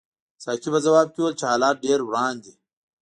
ساقي په ځواب کې وویل چې حالات ډېر وران دي.